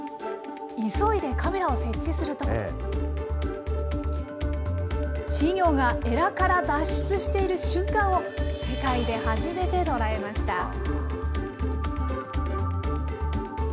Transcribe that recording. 急いでカメラを設置すると、稚魚がエラから脱出している瞬間を、世界で初めて捉えました。